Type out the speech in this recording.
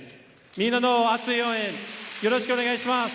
みんなの熱い応援、よろしくお願いします。